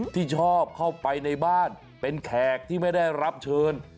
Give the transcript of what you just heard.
ที่ชอบเข้าไปในบ้านเป็นแขกที่ไม่ได้รับเชิญ